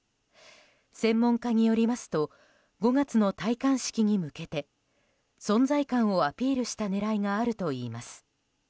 専門家によりますと５月の戴冠式に向けて存在感をアピールした狙いがあるといいます。